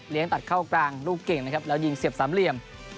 ตัดเข้ากลางลูกเก่งนะครับแล้วยิงเสียบสามเหลี่ยม